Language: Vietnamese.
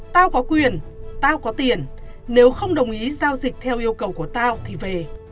ta có quyền tao có tiền nếu không đồng ý giao dịch theo yêu cầu của tao thì về